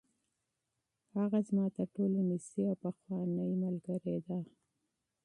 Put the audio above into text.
هغه زما تر ټولو نږدې او پخوانۍ اشنا ده.